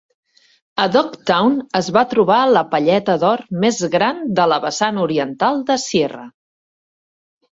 A Dog Town es va trobar la palleta d'or més gran de la vessant oriental de Sierra.